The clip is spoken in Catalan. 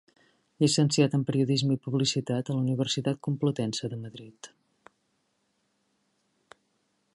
Llicenciat en Periodisme i Publicitat a la Universitat Complutense de Madrid.